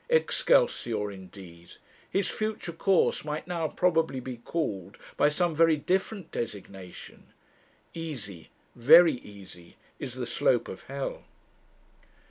'Excelsior,' indeed! his future course might now probably be called by some very different designation. Easy, very easy, is the slope of hell.